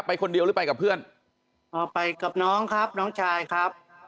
คนเดียวหรือไปกับเพื่อนอ๋อไปกับน้องครับน้องชายครับ